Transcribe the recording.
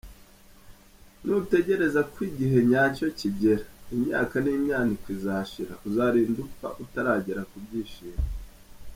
Nutegereza ko igihe nyacyo kigera, imyaka n’imyaniko izashira, uzarinda upfa utaragera ku byishimo.